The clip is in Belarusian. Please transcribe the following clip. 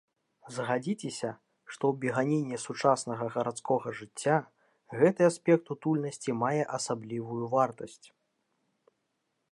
Згадзіцеся, што ў беганіне сучаснага гарадскога жыцця гэты аспект утульнасці мае асаблівую вартасць.